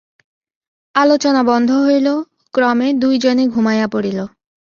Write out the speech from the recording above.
আলোচনা বন্ধ হইল, ক্রমে দুইজনে ঘুমাইয়া পড়িল।